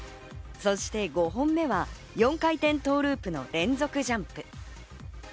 そして５本目は４回転トーループの連続ジャンプ。